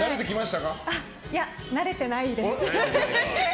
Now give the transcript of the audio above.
慣れてないです。